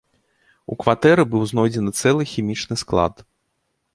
У кватэры быў знойдзены цэлы хімічны склад.